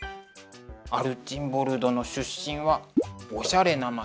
アルチンボルドの出身はおしゃれな街